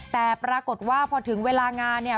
แต่ปรากฏว่าพอถึงเวลางานเนี่ย